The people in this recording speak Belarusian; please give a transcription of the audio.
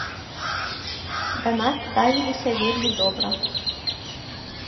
Да нас ставіліся вельмі добра.